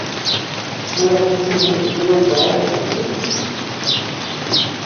O aquecimento global existe?